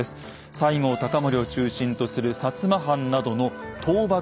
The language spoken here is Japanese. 西郷隆盛を中心とする摩藩などの倒幕派です。